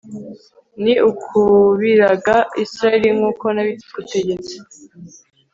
ni ukubiraga israheli nk'uko nabigutegetse